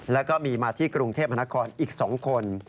แล้วก็มีมาที่กรุงเทพมนาคมอีก๒คน